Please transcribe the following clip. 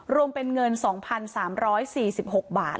รวมเป็นเงิน๒๓๔๖บาท